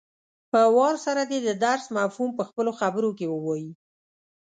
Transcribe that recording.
په وار سره دې د درس مفهوم په خپلو خبرو کې ووايي.